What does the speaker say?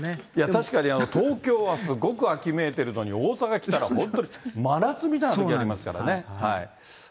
確かに東京はすごく秋めいてるのに、大阪来たら、本当に真夏みたいなときありますからね。